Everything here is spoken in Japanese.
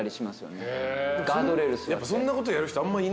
やっぱそんなことやる人あんま。